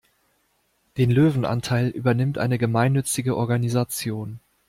Den Löwenanteil übernimmt eine gemeinnützige Organisation.